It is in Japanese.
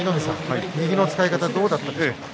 右の使い方どうだったでしょうか。